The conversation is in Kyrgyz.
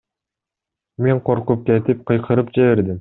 Мен коркуп кетип, кыйкырып жибердим.